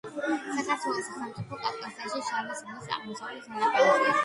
საქართველო სახელმწიფო, კავკასიაში, შავი ზღვის აღმოსავლეთ სანაპიროზე.